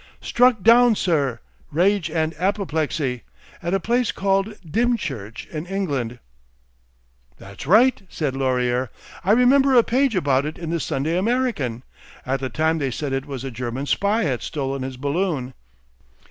"Struck down, sir. Rage and apoplexy. At a place called Dymchurch in England." "That's right," said Laurier. "I remember a page about it in the Sunday American. At the time they said it was a German spy had stolen his balloon."